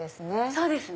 そうですね。